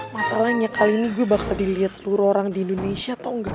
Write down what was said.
masalahnya kali ini gue bakal dilihat seluruh orang di indonesia atau enggak